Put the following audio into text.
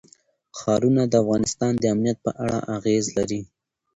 ښارونه د افغانستان د امنیت په اړه اغېز لري.